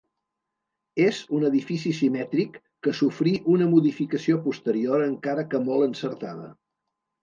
És un edifici simètric que sofrí una modificació posterior encara que molt encertada.